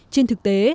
trên thực tế